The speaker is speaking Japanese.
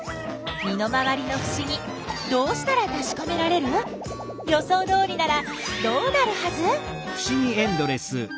身の回りのふしぎどうしたらたしかめられる？予想どおりならどうなるはず？